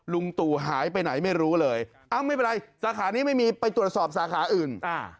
ลุงตู่หายไปไหนไม่รู้เลยไม่เป็นไรสาขานี้ไม่มีไปตรวจสอบสาขาอื่น